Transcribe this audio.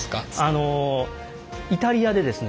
あのイタリアでですね